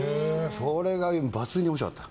それが抜群に面白かった。